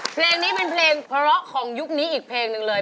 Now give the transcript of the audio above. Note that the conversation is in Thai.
เพลงนี้เป็นเพลงเพราะของยุคนี้อีกเพลงหนึ่งเลย